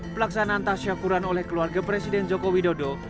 pelaksanaan tasyakuran oleh keluarga presiden joko widodo